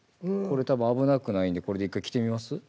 これ多分危なくないんでこれで１回着てみます？